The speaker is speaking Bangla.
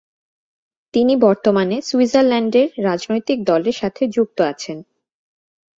তিনি বর্তমানে সুইজারল্যান্ডের রাজনৈতিক দলের সাথে যুক্ত আছেন।